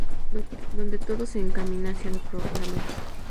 Donde todo se encamina hacia lo programático.